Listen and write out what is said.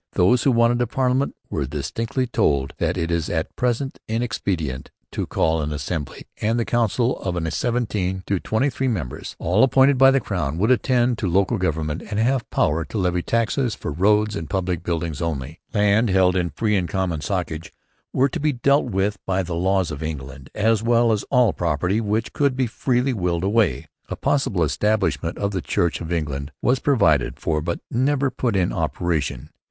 Those who wanted a parliament were distinctly told that 'It is at present inexpedient to call an Assembly,' and that a Council of from seventeen to twenty three members, all appointed by the Crown, would attend to local government and have power to levy taxes for roads and public buildings only. Lands held 'in free and common socage' were to be dealt with by the laws of England, as was all property which could be freely willed away. A possible establishment of the Church of England was provided for but never put in operation.